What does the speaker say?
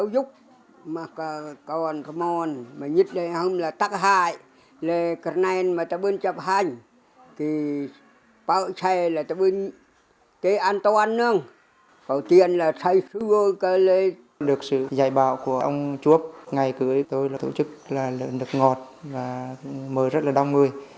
được sự giải bảo của ông chuộc ngày cưới tôi là tổ chức lợn đực ngọt và mời rất là đông người